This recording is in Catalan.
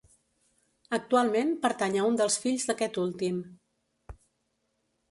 Actualment pertany a un dels fills d'aquest últim.